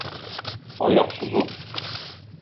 Аяк сузу.